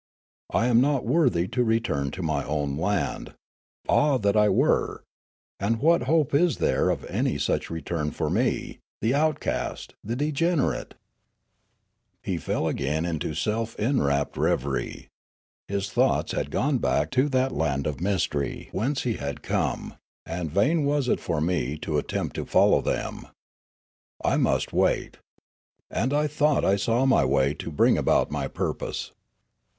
I am not worthy to return to my own land. Ah, that I were ! And what hope is there of any such return for me, the outcast, the degen erate ?" He fell again into self inwrapt reverie. His thoughts had gone back to that land of mystery whence he had come, and vain was it for me to attempt to follow 386 Riallaro them. I must wait. And I thought I saw my way to bring about my purpose.